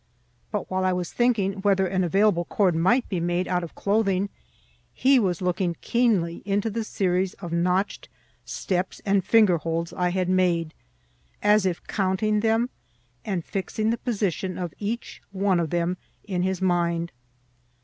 But while I was thinking whether an available cord might be made out of clothing, he was looking keenly into the series of notched steps and finger holds I had made, as if counting them, and fixing the position of each one of them in his mind.